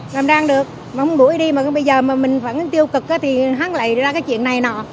làm đang được mà không đuổi đi mà bây giờ mà mình phản ứng tiêu cực thì hắn lấy ra cái chuyện này nọ